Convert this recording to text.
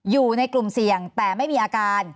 อยู่ในกลุ่มเสี่ยงแต่ไม่มีอาการ